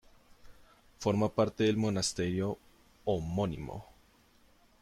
Forma parte del monasterio homónimo.